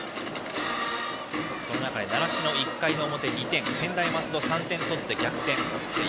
その中で習志野、１回の表２点専大松戸４点取って逆転。